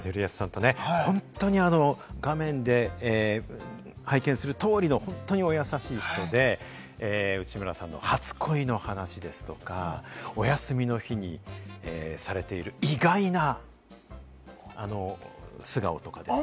本当にね、画面で拝見する通りの本当にお優しい人で、内村さんの初恋の話ですとか、お休みの日にされている意外な素顔とかですね。